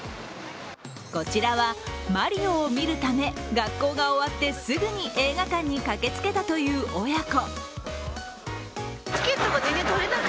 こちらは「マリオ」を見るため学校が終わってすぐに映画館に駆けつけたという親子。